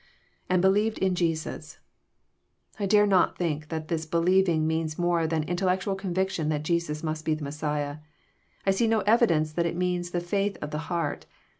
[^And believed in Jesus.^ I dare not think that this '* believing " means more than intellectual conviction that Jesus must be the Messiah. I see no evidence that it means the faith of the heart.